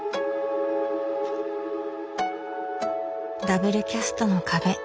ダブルキャストの壁